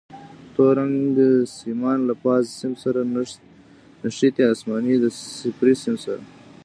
تور رنګ سیمان له فاز سیم سره نښتي، اسماني د صفري سیم سره.